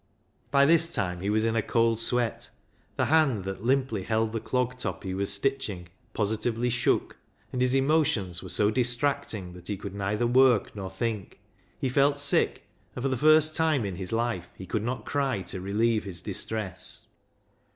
By this time he was in a cold sweat. The hand that limply held the clog top he was stitching positively shook, and his emotions were so distracting that he could neither work nor think. He felt sick, and for the first time in his life he could not cry to relieve his distress.